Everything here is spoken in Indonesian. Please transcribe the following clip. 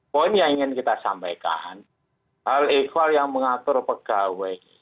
poin yang ingin kita sampaikan hal ekwal yang mengatur pegawai